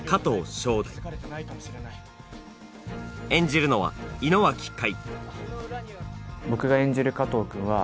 祥大演じるのは井之脇海